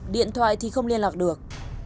điện thoại thì không liên lạc được